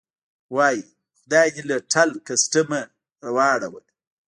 وایي: خدای دې له ټل کسټم نه واړوه.